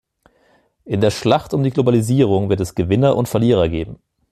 In der Schlacht um die Globalisierung wird es Gewinner und Verlierer geben.